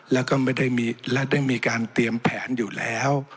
แล้วก็ไม่ได้มีการเตรียมแผนอยู่แล้ว